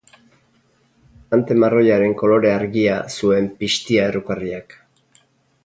Ante marroiaren kolore argia zuen pixtia errukarriak.